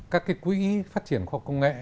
các quỹ phát triển khoa học công nghệ